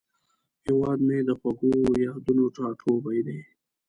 هیواد مې د خوږو یادونو ټاټوبی دی